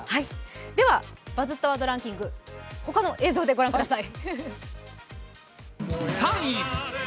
では「バズったワードランキング」映像でご覧ください。